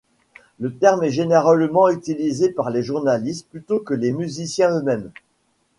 Le terme est généralement utilisé par les journalistes, plutôt que les musiciens eux-mêmes.